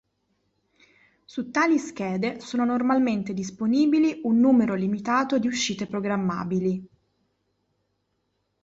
Su tali schede sono normalmente disponibili un numero limitato di uscite programmabili.